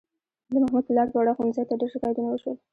د محمود پلار په اړه ښوونځي ته ډېر شکایتونه وشول.